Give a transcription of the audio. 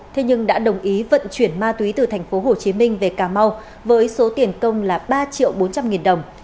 thế nhưng đã đồng ý vận chuyển ma túy từ tp hồ chí minh về cà mau với số tiền công là ba bốn trăm linh đồng